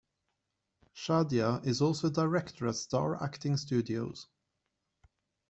Shadia is also a director at Star Acting Studios.